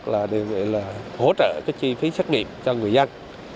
là hỗ trợ cái chi phí xét nghiệm cho người dân